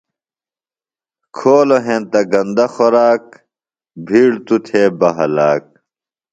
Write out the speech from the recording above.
کھولوۡ ہینتہ گندہ خوراک، بِھیڑ توۡ تھےۡ بہ ہلا